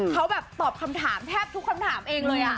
เขาแบบตอบคำถามแทบทุกคำถามเองเลย